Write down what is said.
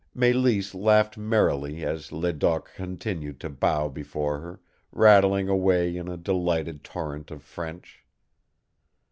Mélisse laughed merrily as Ledoq continued to bow before her, rattling away in a delighted torrent of French.